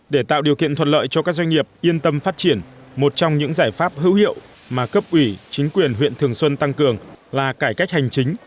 để tạo điều kiện thuận lợi cho các doanh nghiệp yên tâm phát triển một trong những giải pháp hữu hiệu mà cấp ủy chính quyền huyện thường xuân tăng cường là cải cách hành chính